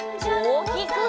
おおきく！